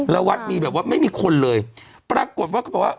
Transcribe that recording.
แล้ววัดมีแบบว่าไม่มีคนเลยปรากฏว่าเขาบอกว่า